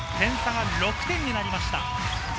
点差が６点になりました。